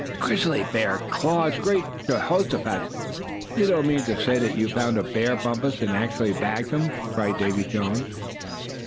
"Grizzly bear claws! Great Jehosophat! you don't mean to say that you found your bear, Bumpus, and actually bagged him?" cried Davy Jones.